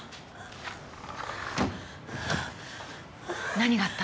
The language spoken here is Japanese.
何があったの？